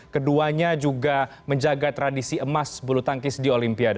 keduanya juga menjaga tradisi emas bulu tangkis di olimpiade